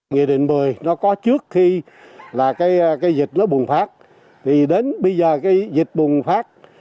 nghị định một mươi nó có trước khi là cái dịch nó bùng phát thì đến bây giờ cái dịch bùng phát